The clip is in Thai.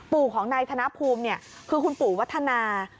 ปู่ของนายธนภูมิเนี่ยคือคุณปู่วัฒนา